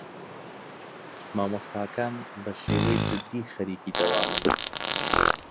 مامۆستاکان بەشێوەی جدی خەریکی دەوامن.